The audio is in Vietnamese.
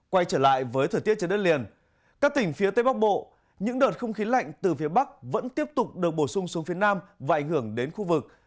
quay trở lại với thời tiết trên đất liền các tỉnh phía tây bắc bộ những đợt không khí lạnh từ phía bắc vẫn tiếp tục được bổ sung xuống phía nam và ảnh hưởng đến khu vực